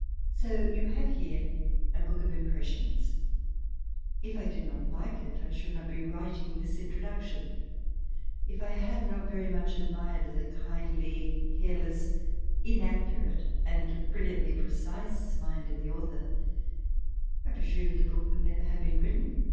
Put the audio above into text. ... So you have here a book of impressions. If I did not like it I should not be writing this intro duction ; if I had not very much admired the kindly, careless, inaccurate, and brilliantly precise mind of the author, I presume the book would never have been written.